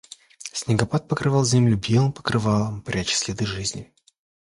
Снегопад покрывал землю белым покрывалом, пряча следы жизни.